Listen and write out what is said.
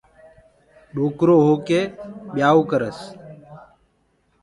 ڏوڪرو هوڪي ٻيآئو ڪرس